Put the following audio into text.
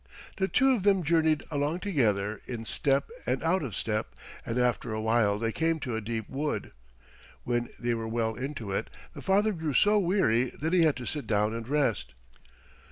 The two of them journeyed along together, in step and out of step, and after a while they came to a deep wood. When they were well into it, the father grew so weary that he had to sit down and rest.